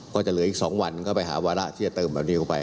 ก็จะเหลืออีก๒วันก็ไปหาวาระที่จะเติมแบบนี้ออกไป